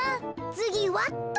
つぎはっと。